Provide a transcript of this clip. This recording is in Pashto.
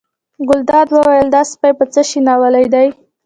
ګلداد وویل دا سپی په څه شي ناولی دی.